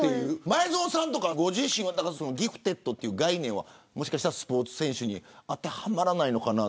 前園さんとかご自身はギフテッドという概念はもしかしたらスポーツ選手に当てはまらないのかな。